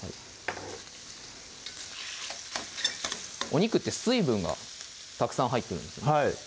お肉って水分がたくさん入ってるんです